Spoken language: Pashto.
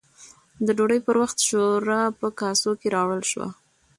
د ډوډۍ پر وخت، شورا په کاسو کې راوړل شوه